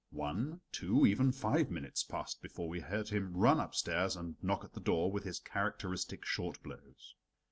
One, two, even five minutes passed before we heard him run upstairs and knock at the door with his characteristic short blows.